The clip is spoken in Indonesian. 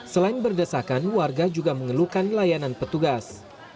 selain berdesakan warga juga mengeluhkan layanan petugas